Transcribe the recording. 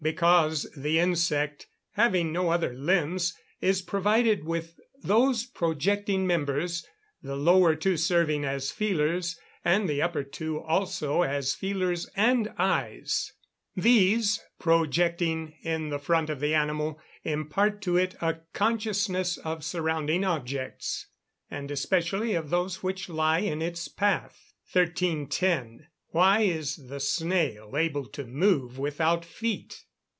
_ Because the insect, having no other limbs, is provided with those projecting members, the lower two serving as feelers and the upper two also as feelers and eyes. These, projecting in the front of the animal, impart to it a consciousness of surrounding objects, and especially of those which lie in its path. 1310. _Why is the snail able to move, without feet?